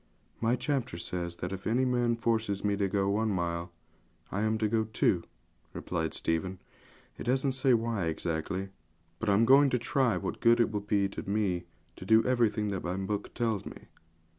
'My chapter says that if any man forces me to go one mile, I am to go two,' replied Stephen; 'it doesn't say why exactly, but I'm going to try what good it will be to me to do everything that my book tells me.'